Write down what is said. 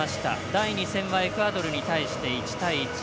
第２戦はエクアドルに対して１対１。